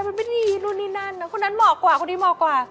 มันไม่ได้นู่นนี่นั่นนะคนนั้นเหมาะกว่าคนนี้เหมาะกว่า